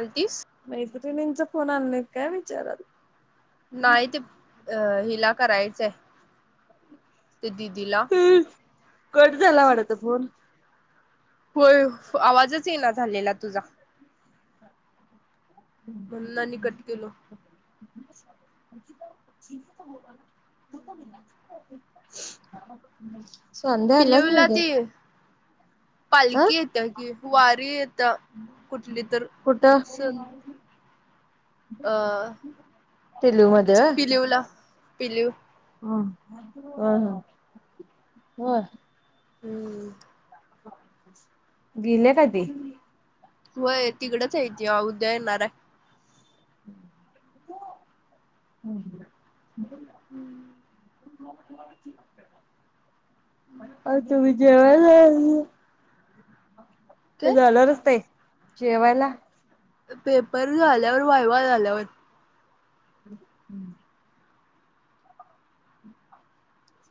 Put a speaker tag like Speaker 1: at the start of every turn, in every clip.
Speaker 1: आणि तीस
Speaker 2: मैत्रिणींचा फोन आणलायत काय विचारालोय.
Speaker 1: नाही ते अ हिला करायचंय हाय. ते दिदीला.
Speaker 2: कट कट झाला वाटत फोन.
Speaker 1: होय आवाजच ये ना झालेला तुझा. म्हणून आणि कट केलो.
Speaker 2: अ हो त [inaudible] संध्या हाय नाग
Speaker 1: पिलिवला
Speaker 2: उदे.
Speaker 1: ते पालखी येत कि वारी येत कुठली तर.
Speaker 2: कुठ.
Speaker 1: सन अ
Speaker 2: टिलू मध्ये
Speaker 1: पिलीव ला पिलीव.
Speaker 2: ह ह ह होय.
Speaker 1: हम्म
Speaker 2: गेल्या का ती.
Speaker 1: त तिकडेच हाय ती उद्या येणार आहे.
Speaker 2: हम् ह [inaudible] अ तू जेवाला जायचं नाही. ते
Speaker 1: काय
Speaker 2: जाणारच नाहीत जेवायला.
Speaker 1: पेपर झाल्यावर वायवा झाल्यावर.
Speaker 2: हम हू.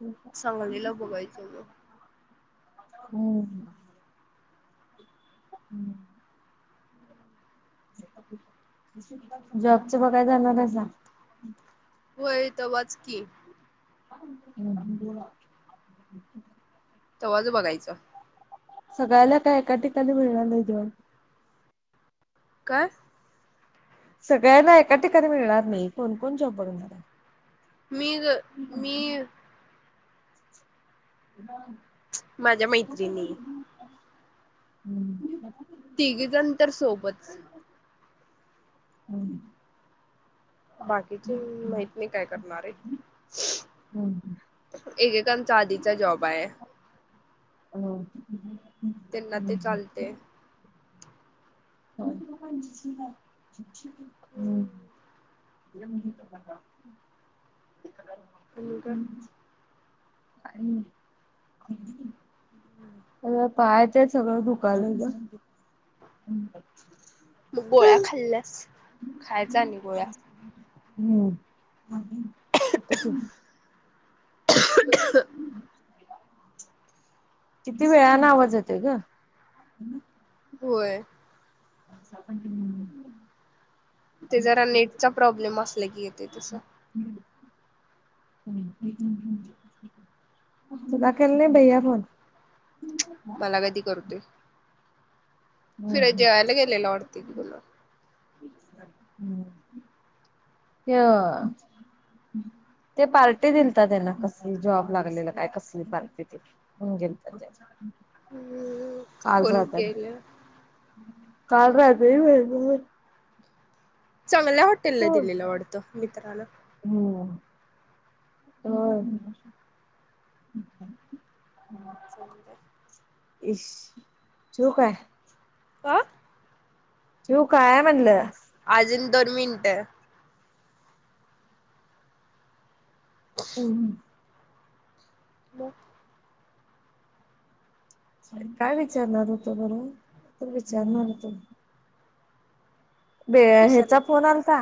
Speaker 2: हम.
Speaker 1: सांगलीला बोघायचं मग.
Speaker 2: हम. हम्म. जॉबच बघायला जाणार हायसा.
Speaker 1: होय तवाच की.
Speaker 2: हम्म.
Speaker 1: तवाज बघायचं.
Speaker 2: सगळयला काय एका ठिकाणी मिळणार नाही जॉब.
Speaker 1: काय.
Speaker 2: सगळ्यांना एका ठिकाणी मिळणार नाही कोण कोण जॉब बघणार आहे.
Speaker 1: मी ग मी. माझ्या मैत्रिणी
Speaker 2: हम् [unintelligible]
Speaker 1: तिघेजण तर सोबत.
Speaker 2: हम.
Speaker 1: बाकीची माहत काय करणार आहे.
Speaker 2: हम्म
Speaker 1: एकेकांचा आधीचा जॉब आहे.
Speaker 2: ह
Speaker 1: त्यांना ते चालते
Speaker 2: हम् हे
Speaker 1: आणि का
Speaker 2: ् का पाहायचंय सगळं दुकान हम
Speaker 1: मग गोळ्या खाल्ल्यास खायचा आणि गोळ्या
Speaker 2: हम्म ह् किती वेळाने आवाज येते ग
Speaker 1: होय
Speaker 2: सपण क
Speaker 1: ते जरा नेटचा प्रॉब्लेम असला की येते तसं
Speaker 2: हो नबर दाखल नाही भैया फण
Speaker 1: मला कधी करते फिर अजेय गेले लॉडते गुल
Speaker 2: ह ते पार्टी दिलत त्यांना कसली जॉब लागलेल काय कसली पार्टी त ह गे
Speaker 1: फोन केले
Speaker 2: काल राहते हो
Speaker 1: चांगल्या हॉटेलला दिलेला आवडतं मित्रांना
Speaker 2: हो हो
Speaker 1: च आहे
Speaker 2: इ शू काय
Speaker 1: आ,,
Speaker 2: ठिव काय मनल?
Speaker 1: आजुन दोन मिनटंऽ
Speaker 2: हमम हमम
Speaker 1: ब
Speaker 2: काय विचारणार होतो बला त विचारणार होतो बे
Speaker 1: विसरली
Speaker 2: ह्याचा फोन आलता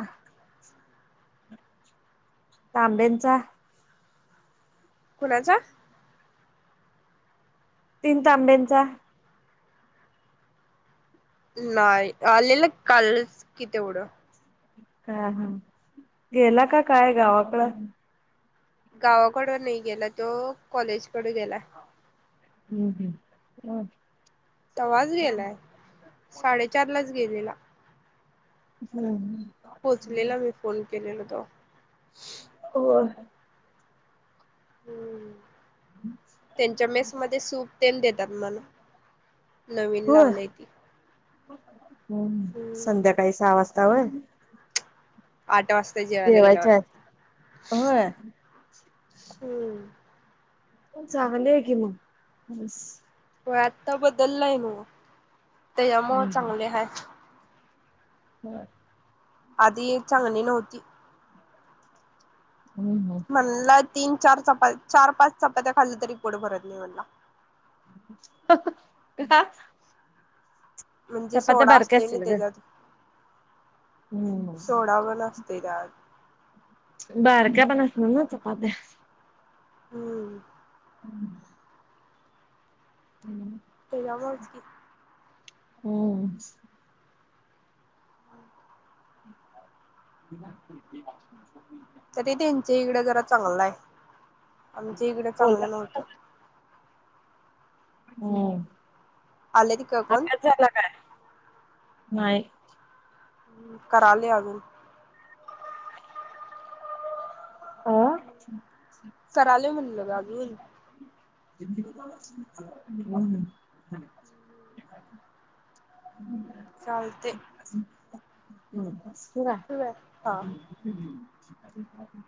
Speaker 2: तांब्यांचा
Speaker 1: कोुणाचा
Speaker 2: तीन तांब्यांचा
Speaker 1: नाही,, आलेलं कालच कि तेवढं.
Speaker 2: हां, हा,, गेला का काय गावाकड?
Speaker 1: गावाकडं नाही गेला तो,, कॉलेजकड गेलाय.
Speaker 2: हम्म हम्म, होय.
Speaker 1: तवा्हाच गेलाय,, साडेचार लाच गेलेला.
Speaker 2: हो,
Speaker 1: पोहोचलेला मी फोन केलेला तवा.
Speaker 2: होय,
Speaker 1: त्यांच्या मेस मध्ये सूप तन देतात म्हण,,, नवीन लावलंय कीऽ
Speaker 2: हम्म,, संध्याकाळी सहा वाजता वय?
Speaker 1: आठ वाजता जेवायला गेल्यावर.
Speaker 2: जेवायच्या आहेत होय.
Speaker 1: हम्म
Speaker 2: चांगले आहे की मग,, मेसऽ
Speaker 1: होय आत्ता बदललाय मग त्यायामुळ चांगले हाय.
Speaker 2: बर.
Speaker 1: आधी चांगली नव्हती.
Speaker 2: हम्म हम्म.
Speaker 1: म्हणला तीन चार चपात्या चार पाच चपात्या खाल्ल्या तरी पोट भरत नाही म्हणला.
Speaker 2: ते काय.
Speaker 1: म्हणजे सोडा
Speaker 2: बारक्या
Speaker 1: असतोय तेनी
Speaker 2: असतील ग
Speaker 1: त्याच्यात सोडा पण असतोय त्यात.
Speaker 2: बारक्या पण असणार ना चपात्या.
Speaker 1: हम्म.
Speaker 2: [inaudible] हम्म.
Speaker 1: तेज्यामुळच की.
Speaker 2: हम्म.
Speaker 1: हम्म.
Speaker 2: [unintelligible]
Speaker 1: तरी त्यांच्या इकडं जरा चांगलं हाय आमच्या इकडं
Speaker 2: कोल्हा
Speaker 1: चांगलं नव्हतं.
Speaker 2: हम्म.
Speaker 1: आले तीक पण.
Speaker 2: झाला काय नाही.
Speaker 1: हम्म कराले अजुन. कराले म्हणलं ग अजून
Speaker 2: अं. [unintelligible] [inaudible]
Speaker 1: चालते. ठेवू काय हा
Speaker 2: [unintelligible]